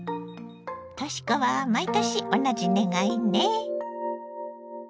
とし子は毎年同じ願いね。